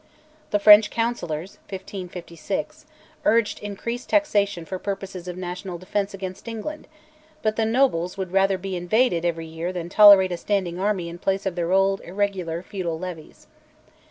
The French counsellors (1556) urged increased taxation for purposes of national defence against England; but the nobles would rather be invaded every year than tolerate a standing army in place of their old irregular feudal levies.